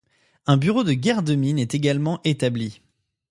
Un bureau de guerre de mine est également établi.